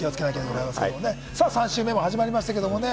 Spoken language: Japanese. ３週目も始まりました。